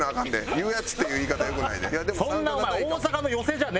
「言うヤツ」っていう言い方良くないで。なあ？